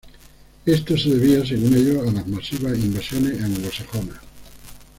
Esto se debía, según ellos, a las masivas invasiones anglosajonas.